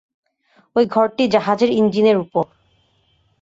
ঐ ঘরটি জাহাজের ইঞ্জিনের উপর।